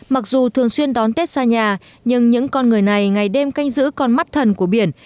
mặc dù thường xuyên đón tết xa nhà nhưng những con người này ngày đêm canh giữ con mắt thần của biển